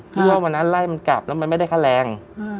ที่ว่าวันนั้นไล่มันกลับแล้วมันไม่ได้ค่าแรง